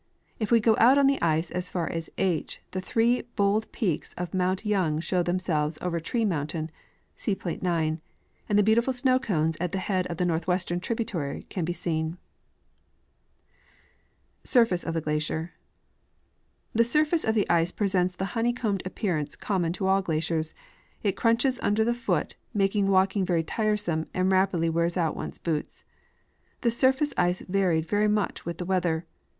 If we go out on the ice as far as H the three bold peaks of mount Young show themselves over Tree mountain (see plate 9), and the beautiful Snow cones at the head of the northwestern tributaiy can be seen. Surface of the Glacier. The surtace of the ice presents the honeycombed appearance common to all glaciers ; it crunches under the foot, making walk ing very tiresome, and rapidly wears out one's boots. This sur face ice varied very much with the weather.